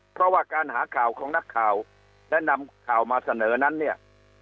เพราะว่าการหาข่าวของนักข่าวและนำข่าวมาเสนอนั้นเนี่ย